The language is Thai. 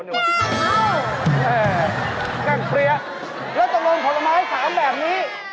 แล้วตรงนี้ผลไม้๓แบบนี้